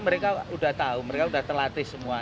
mereka udah tahu mereka udah telatih semua